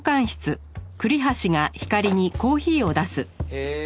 へえ。